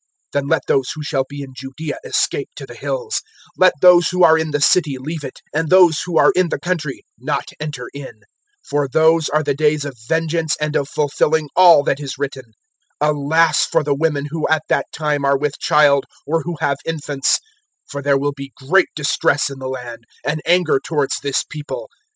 021:021 Then let those who shall be in Judaea escape to the hills; let those who are in the city leave it, and those who are in the country not enter in. 021:022 For those are the days of vengeance and of fulfilling all that is written. 021:023 "Alas for the women who at that time are with child or who have infants; for there will be great distress in the land, and anger towards this People.